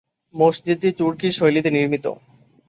মসজিদটি তুর্কি শৈলীতে নির্মিত।